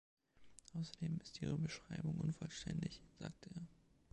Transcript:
„Außerdem ist Ihre Beschreibung unvollständig“, sagte er.